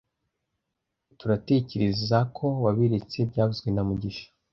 turatekerezako wabiretse byavuzwe na mugisha